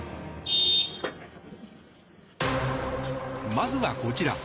まずはこちら。